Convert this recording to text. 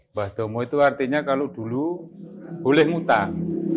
mbah domo itu artinya kalau dulu boleh ngutang